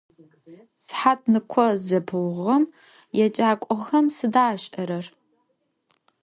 Sıhatnıkho zepıuğom yêcak'oxem sıda aş'erer?